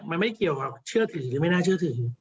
มันไม่เกี่ยวกับเชื่อถือหรือไม่น่าเชื่อถือ